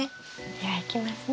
ではいきますね。